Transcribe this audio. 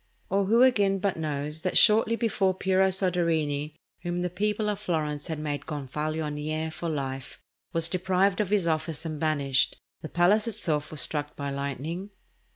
Or who, again, but knows that shortly before Piero Soderini, whom the people of Florence had made gonfalonier for life, was deprived of his office and banished, the palace itself was struck by lightning?